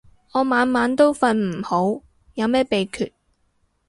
我晚晚都瞓唔好，有咩秘訣